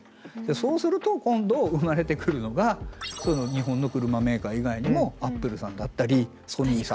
そうすると今度生まれてくるのが日本の車メーカー以外にもアップルさんだったりソニーさんだったり。